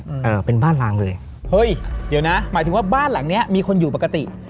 เอ่อเป็นบ้านลางเลยเฮ้ยเดี๋ยวนะหมายถึงว่าบ้านหลังเนี้ยมีคนอยู่ปกติ